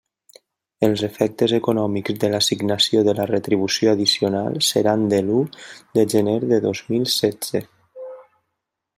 Els efectes econòmics de l'assignació de la retribució addicional seran de l'u de gener de dos mil setze.